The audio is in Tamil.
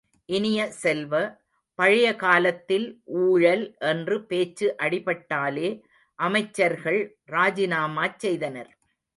இனிய செல்வ, பழைய காலத்தில் ஊழல் என்று பேச்சு அடிப்பட்டாலே அமைச்சர்கள் ராஜிநாமாச் செய்தனர்.